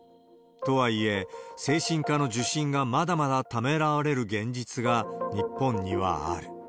とはいえ、精神科の受診がまだまだためらわれる現実が、日本にはある。